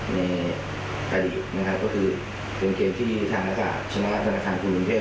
ในประดิษฐ์นะครับพี่เป็นเกมที่ชนะราชธานาคารค์คุณบุญเพศ